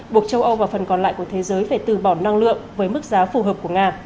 buộc châu âu và phần còn lại của thế giới phải từ bỏ năng lượng với mức giá phù hợp của nga